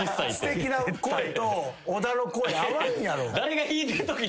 すてきな声と小田の声合わんやろ。